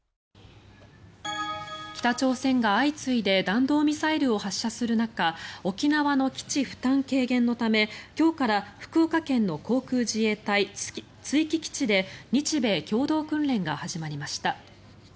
北朝鮮が相次いで弾道ミサイルを発射する中沖縄の基地負担軽減のため今日から福岡県の航空自衛隊築城基地で日米共同訓練が始まりました。